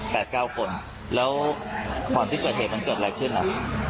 เก้าคนแล้วก่อนที่เกิดเหตุมันเกิดอะไรขึ้นอ่ะ